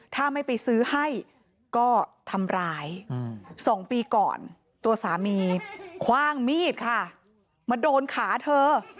ถ้าไม่ไปซื้อให้ก็ทำร้าย๒ปีก่อนตัวสามีคว่างมีดค่ะมาโดนขาเธอ